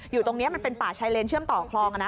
อยู่ตรงนี้มันเป็นป่าชายเลนเชื่อมต่อคลอง